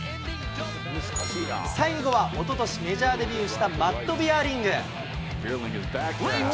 最後はおととしメジャーデビューした、マット・ビアーリング。